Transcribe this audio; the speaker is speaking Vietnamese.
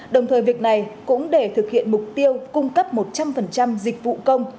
đồng thời việc này cũng để thực hiện mục tiêu cung cấp một trăm linh dịch vụ công